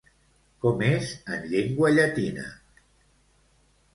Com és en llengua llatina?